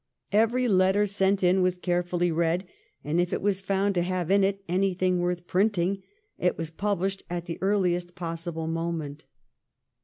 Every letter sent in was carefully read, and if it was found to have in it anything worth printing it was published at the earliest possible moment.